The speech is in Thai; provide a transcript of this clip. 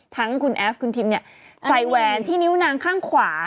ทั้งคุณแอฟคุณทิมเนี่ยใส่แหวนที่นิ้วนางข้างขวา